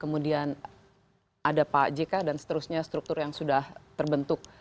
kemudian ada pak jk dan seterusnya struktur yang sudah terbentuk